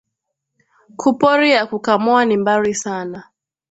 Ku pori ya ku kamoa ni mbari sana